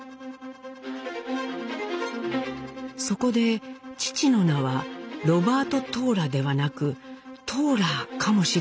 そこで父の名は「ロバート・トーラ」ではなく「トーラー」かもしれないと考え直します。